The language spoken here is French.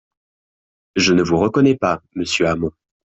Je ne vous reconnais pas, monsieur Hamon